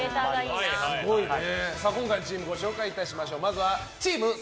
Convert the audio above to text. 今回のチームご紹介いたしましょう。